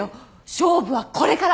勝負はこれから。